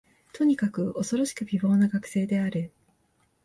とにかく、おそろしく美貌の学生である